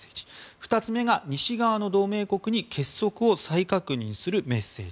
２つ目が西側の同盟国に結束を再確認するメッセージ。